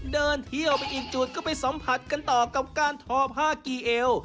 เดินเที่ยวไปอีกจุดก็ไปสัมผัสกันต่อกับการทอผ้ากี่เอว